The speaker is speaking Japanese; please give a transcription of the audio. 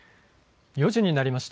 ４時になりました。